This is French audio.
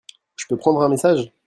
Je peux prendre un message ?